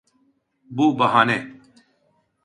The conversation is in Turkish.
Bu bahane...